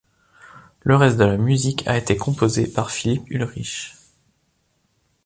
Le reste de la musique a été composé par Philippe Ulrich.